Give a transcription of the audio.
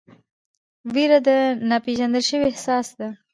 ویره د ناپېژندل شوي احساس ده.